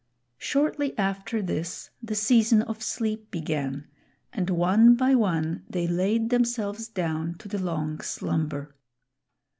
Shortly after this the season of sleep began, and one by one they laid themselves down to the long slumber.